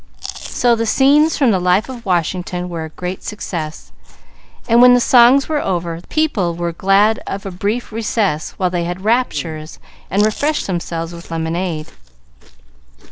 So the "Scenes from the Life of Washington" were a great success, and, when the songs were over, people were glad of a brief recess while they had raptures, and refreshed themselves with lemonade.